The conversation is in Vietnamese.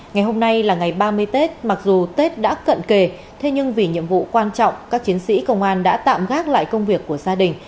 ngày hôm nay là ngày ba mươi tết mặc dù tết đã cận kề thế nhưng vì nhiệm vụ quan trọng các chiến sĩ công an đã tạm gác lại công việc của gia đình